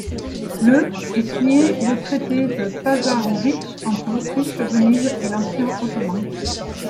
Le est signé le traité de Passarowitz entre l'Autriche, Venise et l'Empire ottoman.